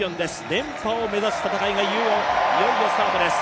連覇を目指す戦いがいよいよスタートです。